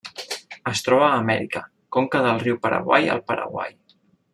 Es troba a Amèrica: conca del riu Paraguai al Paraguai.